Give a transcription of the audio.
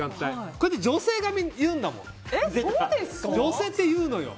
これって女性が言うんだもん。